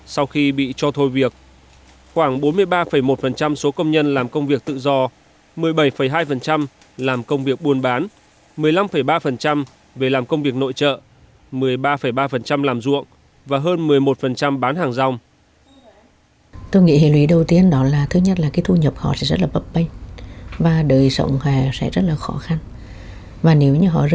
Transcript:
sau khi bị cho thôi việc khoảng bốn mươi ba một số công nhân làm công việc tự do một mươi bảy hai làm công việc buôn bán một mươi năm ba về làm công việc nội trợ một mươi ba ba làm ruộng và hơn một mươi một bán hàng rong